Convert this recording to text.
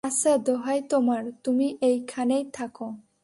আচ্ছা, দোহাই তোমার, তুমি এইখানেই থাকো।